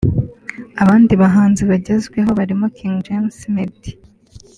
Abandi bahanzi bagezweho barimo King James Meddy